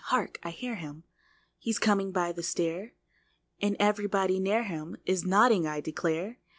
hark, I hear him! He's coming up the stair, And everybody near him Is nodding, I declare!